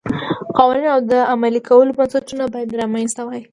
قوانین او د عملي کولو بنسټونه باید رامنځته شوي وای